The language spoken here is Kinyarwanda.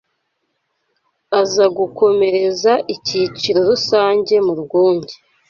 aza gukomereza icyiciro rusange mu Rwunge